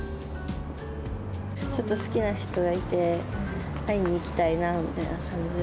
ちょっと好きな人がいて、会いに行きたいなみたいな感じ。